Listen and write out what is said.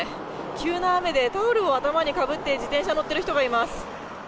急な雨で、タオルを頭にかぶって自転車に乗ってる人がいます。